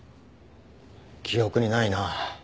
記憶にないな。